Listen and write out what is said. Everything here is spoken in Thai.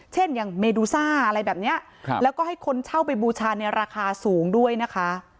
เช่นอย่างเมดูซ่าอะไรแบบนี้แล้วก็ให้คนเช่าไปบูชาในราคาสูงด้วยนะคะ